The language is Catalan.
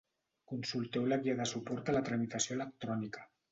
Consulteu la Guia de suport a la tramitació electrònica.